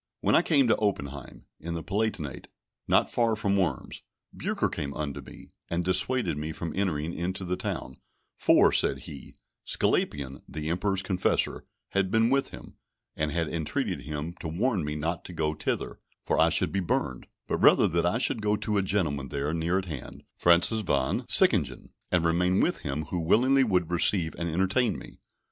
When I came to Oppenheim, in the Palatinate, not far from Worms, Bucer came unto me, and dissuaded me from entering into the town; for, said he, Sglapian, the Emperor's confessor, had been with him, and had entreated him to warn me not to go thither, for I should be burned; but rather that I should go to a gentleman there near at hand, Francis Von Sickingen, and remain with him, who willingly would receive and entertain me.